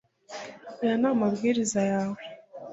Aya ni amabwiriza yawe